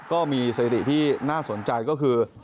ก็มีสถิติที่น่าสนใจก็คือ